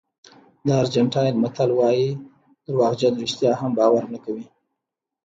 د ارجنټاین متل وایي دروغجن رښتیا هم باور نه کوي.